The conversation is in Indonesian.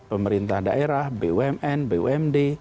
pemerintah daerah bumn bumd